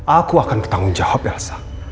aku akan bertanggung jawab rasa